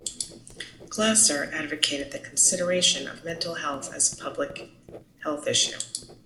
Glasser advocated the consideration of mental health as a public health issue.